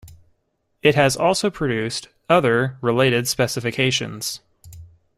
It has also produced other related specifications.